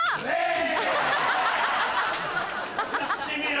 撃ってみろ！